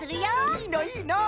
いいのいいの！